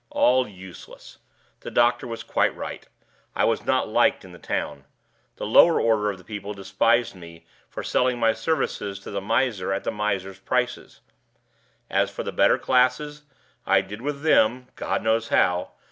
All useless! The doctor was quite right; I was not liked in the town. The lower order of the people despised me for selling my services to the miser at the miser's price. As for the better classes, I did with them (God knows how!)